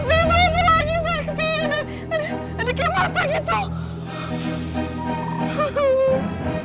ada kayak mata gitu